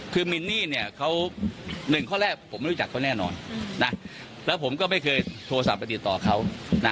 คือมินนี่เนี่ยเขาหนึ่งข้อแรกผมไม่รู้จักเขาแน่นอนนะแล้วผมก็ไม่เคยโทรศัพท์ไปติดต่อเขานะ